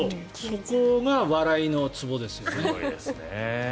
そこが笑いのツボですよね。